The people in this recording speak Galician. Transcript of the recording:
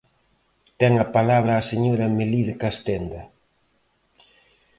Ten a palabra a señora Melide Castenda.